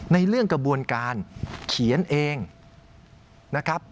ในเรื่องกระบวนการเขียนเองนะครับ